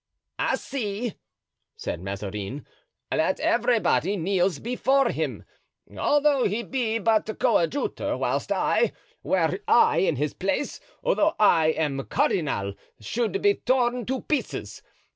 "I see," said Mazarin, "that everybody kneels before him, although he be but coadjutor, whilst I, were I in his place, though I am cardinal, should be torn to pieces.